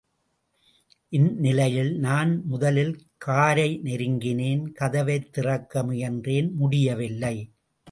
இந்நிலையில், நான் முதலில் காரை நெருங்கினேன், கதவைத் திறக்க முயன்றேன் முடியவில்லை.